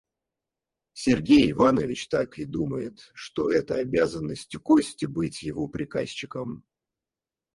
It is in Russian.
Сергей Иванович так и думает, что это обязанность Кости — быть его приказчиком.